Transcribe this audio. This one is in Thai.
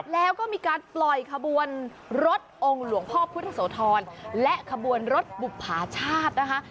แล้วก็มีการปล่อยขบวนรถองค์หลวงพ่อพุทธโสธรและขบวนรถบุภาชาตินะคะ